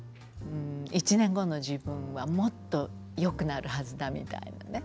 １年後の自分はもっとよくなるはずだみたいなね